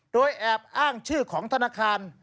โดยแอบอ้างชื่อของธนาคาร